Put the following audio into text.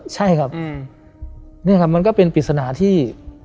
ใช่ครับนี่มันก็เป็นปิดสนาที่